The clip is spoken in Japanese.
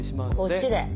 こっちで。